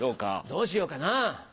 どうしようかな？